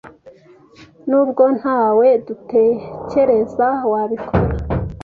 N'ubwo ntawe dutekereza wabikora